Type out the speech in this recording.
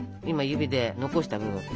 今指で残した部分。